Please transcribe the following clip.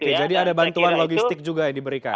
oke jadi ada bantuan logistik juga yang diberikan